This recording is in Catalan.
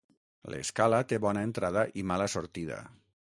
L'Escala té bona entrada i mala sortida.